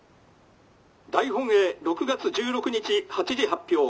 大本営６月１６日８時発表。